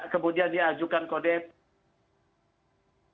kemudian diajukan kode etik